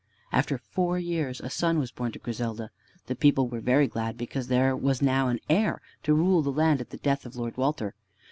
After four years a son was born to Griselda. The people were very glad because there was now an heir to rule the land at the death of Lord Walter.